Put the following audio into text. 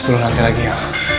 sepuluh lantai lagi ya